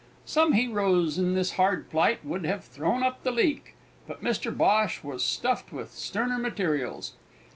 Some heroes in this hard plight would have thrown up the leek, but Mr Bhosh was stuffed with sterner materials.